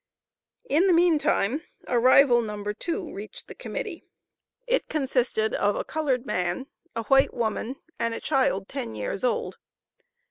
In the meantime, Arrival No. 2 reached the Committee. It consisted of a colored man, a white woman and a child, ten years old.